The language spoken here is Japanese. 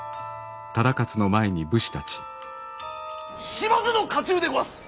島津の家中でごわす。